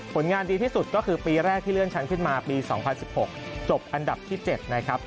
ผลงานดีที่สุดก็คือปีแรกที่เลื่อนชั้นขึ้นมาปี๒๐๑๖จบอันดับที่๗นะครับ